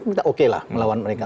kita oke lah melawan mereka